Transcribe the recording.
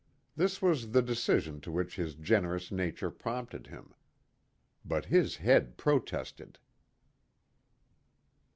This was the decision to which his generous nature prompted him. But his head protested.